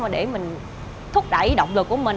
để mình thúc đẩy động lực của mình